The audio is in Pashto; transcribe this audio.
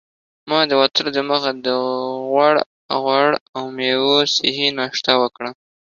ما د وتلو دمخه د غوړ او میوو صحي ناشته وکړه.